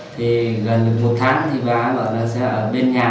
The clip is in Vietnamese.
thì gần được một tháng thì bà bảo là sẽ ở bên nhà